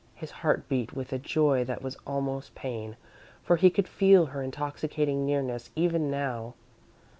His heart beat with a joy that was almost pain, for he could feel her intoxicating nearness even now.